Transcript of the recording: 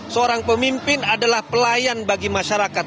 seorang pemimpin adalah pelayan bagi masyarakat